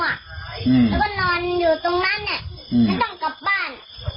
กินเยอะเยอะแล้วเมาแล้วก็นอนอยู่ตรงนั้นไงน้อยต้องกลับบ้าน